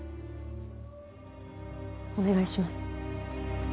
お願いします。